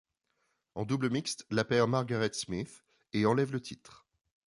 En double mixte, la paire Margaret Smith et enlève le titre.